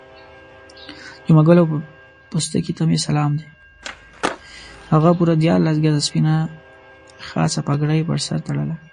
هغه پوره دیارلس ګزه سپینه خاصه پګړۍ پر سر تړله.